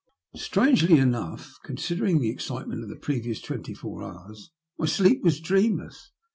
Strangely enough, considering the excitement of the previous twenty four hoars, my sleep was dream less.